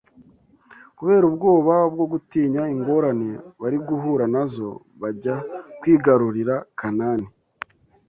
Kubera ubwoba bwo gutinya ingorane bari guhura nazo bajya kwigarurira Kanani